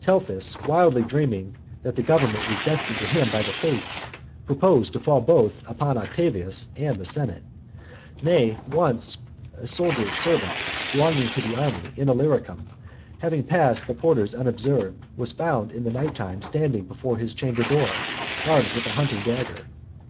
Telephus, wildly dreaming that the government was destined to him by the fates, proposed to fall both upon Octavius and the senate. Nay, once, a soldier's servant belonging to the army in Illyricum, having passed the porters unobserved, was found in the night time standing before his chamber door, armed with a hunting dagger.